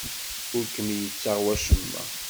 Ur kem-yettaɣ wacemma.